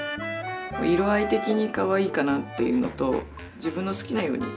色合い的にかわいいかなっていうのと自分の好きなように。